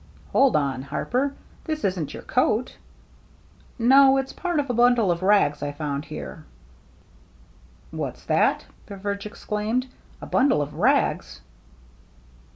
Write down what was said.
" Hold on. Harper, this isn't your coat ?"" No, it's part of a bundle of rags I found here." " What's that !" Beveridge exclaimed. " A bundle of rags